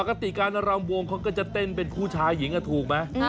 ปกติการรำวงเขาก็จะเต้นเป็นผู้ชายหญิงถูกไหม